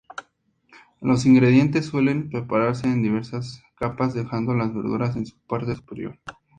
Los ingredientes suelen prepararse en diversas capas, dejando las verduras en su parte superior.